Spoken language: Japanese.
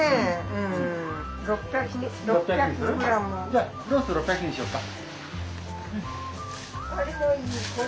じゃあロース６００にしようか。